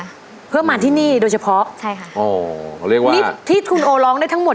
ค่ะเพื่อมาที่นี่โดยเฉพาะใช่ค่ะอ๋อเรียกว่านี่ที่คุณโอร้องได้ทั้งหมด